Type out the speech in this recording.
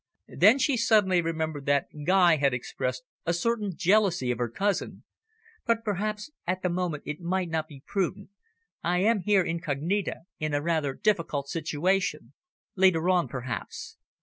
Then she suddenly remembered that Guy had expressed a certain jealousy of her cousin. "But perhaps at the moment it might not be prudent. I am here incognita, in a rather difficult situation. Later on, perhaps."